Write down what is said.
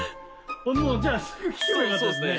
もうじゃあすぐ聞けばよかったですね。